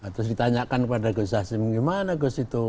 terus ditanyakan kepada gus hasim gimana gus itu